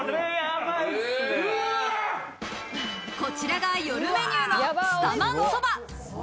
こちらが夜メニューのスタ満ソバ。